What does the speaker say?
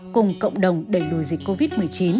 cùng cộng đồng đẩy lùi dịch covid một mươi chín